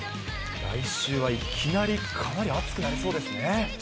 来週はいきなり、かなり暑くなりそうですね。